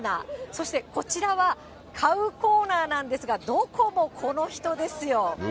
そしてこちらは、買うコーナーなんですが、どこもこの人ですよ。